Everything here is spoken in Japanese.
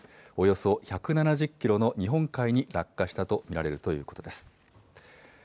およそ１７０キロの日本海に落下したと見られるということです。